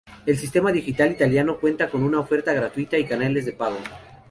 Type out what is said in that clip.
El sistema digital italiano cuenta con una oferta gratuita y canales de pago.